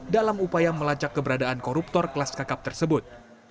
dalam upaya melacak keberadaan koruptor kelas kakap tersebut